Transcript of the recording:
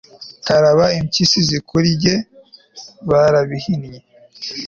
karaba impyisi zikurye barabihinnye